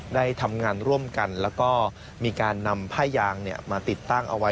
ได้ทำงานร่วมกันแล้วก็มีการนำผ้ายางมาติดตั้งเอาไว้